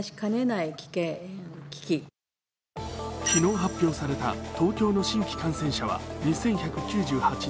昨日発表された東京の新規感染者は２１９８人。